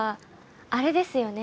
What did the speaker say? あれですよね